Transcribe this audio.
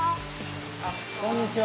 あっこんにちは。